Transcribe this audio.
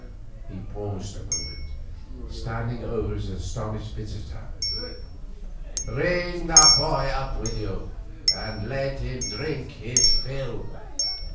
He paused a moment, standing over his astonished visitor. 'Bring the boy up with you, and let him drink his fill.